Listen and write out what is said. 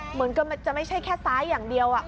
เหมือนกับมันจะไม่ใช่แค่ซ้ายอย่างเดียว